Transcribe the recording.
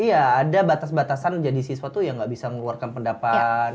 iya ada batas batasan jadi siswa tuh yang gak bisa mengeluarkan pendapat